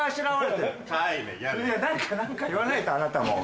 何か言わないとあなたも。